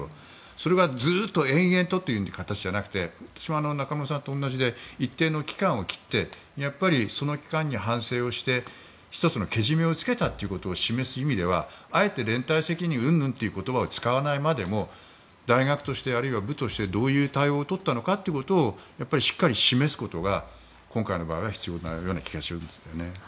それがずっと延々とという形ではなくて私も中室さんと同じで一定の期間を切ってその期間に反省して１つのけじめをつけたということを示す意味ではあえて連帯責任云々という言葉を使わないまでも大学として、あるいは部としてどういう対応をとったのかをしっかり示すことが今回の場合は必要な気がします。